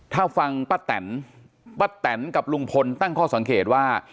ถ้าฟังป้าแตนป้าแตนกับลุงพลตั้งข้อสังเกตว่า